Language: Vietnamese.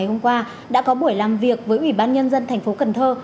hôm qua đã có buổi làm việc với ủy ban nhân dân thành phố cần thơ